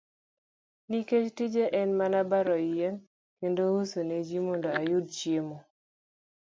Nikech tija en mana baro yien kendo uso ne ji, mondo ayud chiemo.